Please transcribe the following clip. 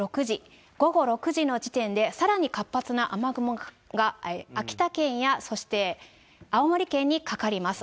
午後６時の時点で、さらに活発な雨雲が、秋田県や、そして青森県にかかります。